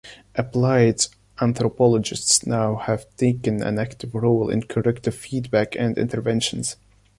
Applied anthropologists now have taken an active role in corrective feedback and interventions.